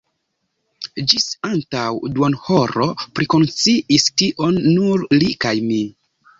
Ĝis antaŭ duonhoro prikonsciis tion nur li kaj mi.